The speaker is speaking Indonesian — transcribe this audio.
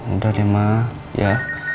udah deh ma ya